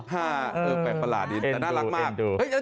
ฮ่าแปลกประหลาดดีแต่น่ารักมากเอ็นดู